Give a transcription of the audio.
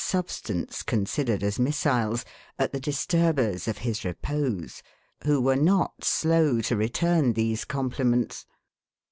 substance considered as missiles, at the disturbers of his repose, — who were not slow to return these compliments.